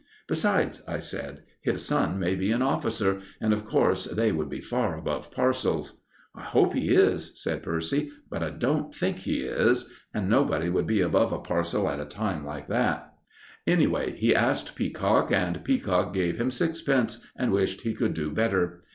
"Besides," I said, "his son may be an officer, and, of course, they would be far above parcels." "I hope he is," said Percy; "but I don't think he is. And nobody would be above a parcel at a time like that." Anyway he asked Peacock, and Peacock gave him sixpence, and wished he could do better.